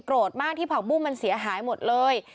มากที่ผักบุ้งมันเสียหายหมดเลย